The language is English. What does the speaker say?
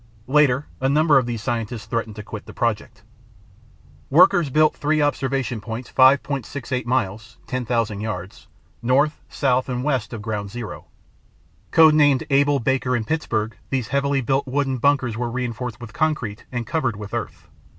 " Later a number of these scientists threatened to quit the project. Workers built three observation points 5.68 miles (10,000 yards), north, south, and west of Ground Zero. Code named Able, Baker, and Pittsburgh, these heavily built wooden bunkers were reinforced with concrete, and covered with earth.